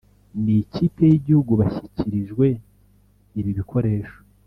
n’Ikipe y’Igihugu bashyikirijwe ibi bikoresho